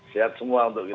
sehat semua untuk kita